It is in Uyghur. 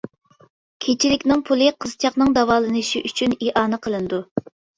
كېچىلىكنىڭ پۇلى قىزچاقنىڭ داۋالىنىشى ئۈچۈن ئىئانە قىلىنىدۇ.